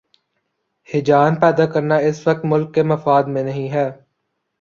ہیجان پیدا کرنا اس وقت ملک کے مفاد میں نہیں ہے۔